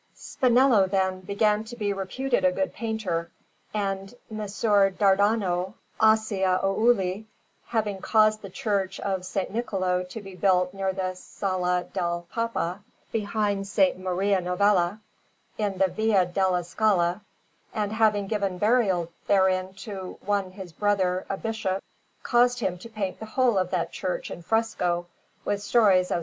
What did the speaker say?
Spinello, then, began to be reputed a good painter, and Messer Dardano Acciaiuoli, having caused the Church of S. Niccolò to be built near the Sala del Papa, behind S. Maria Novella, in the Via della Scala, and having given burial therein to one his brother, a Bishop, caused him to paint the whole of that church in fresco with stories of S.